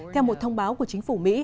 theo một thông báo của chính phủ mỹ